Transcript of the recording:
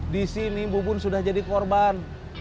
di sini bu bun sudah jadi korban